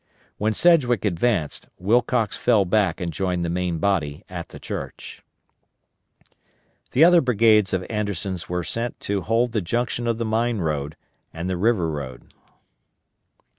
When Sedgwick advanced Wilcox fell back and joined the main body at the church. The other brigades of Anderson's were sent to hold the junction of the Mine road and the River road.